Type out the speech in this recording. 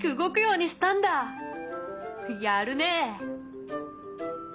やるね！